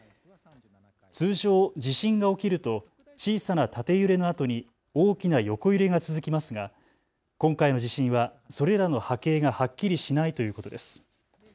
通常、地震が起きると小さな縦揺れのあとに大きな横揺れが続きますが今回の地震はそれらの波形がはっきりしないということです。